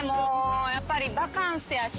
やっぱりバカンスやし。